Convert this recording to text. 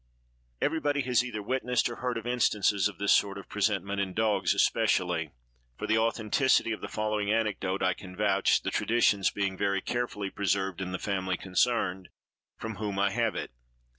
Everybody has either witnessed or heard of instances of this sort of presentiment, in dogs especially. For the authenticity of the following anecdote I can vouch, the traditions being very carefully preserved in the family concerned, from whom I have it.